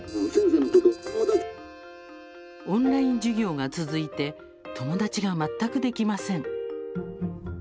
オンライン授業が続いて友達が全くできません。